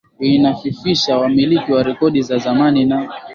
inafifisha wamiliki wa rekodi za zamani na